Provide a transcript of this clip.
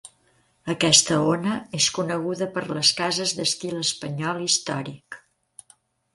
Aquesta ona és coneguda per les cases d'estil espanyol històric.